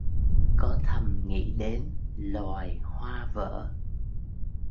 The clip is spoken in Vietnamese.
Có thầm nghĩ đến loài...hoa vỡ